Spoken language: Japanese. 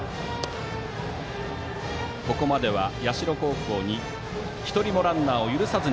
ここまでは社高校に１人もランナーを許さず。